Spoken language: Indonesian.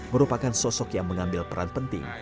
merupakan sosok yang mengambil peran penting